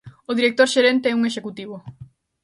O director xerente é un executivo.